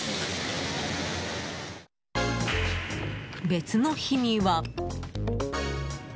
別の日には。